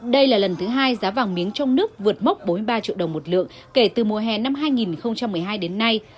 đây là lần thứ hai giá vàng miếng trong nước vượt mốc bốn mươi ba triệu đồng một lượng kể từ mùa hè năm hai nghìn một mươi hai đến nay